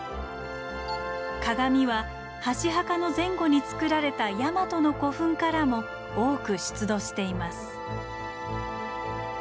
鏡は箸墓の前後につくられたヤマトの古墳からも多く出土しています。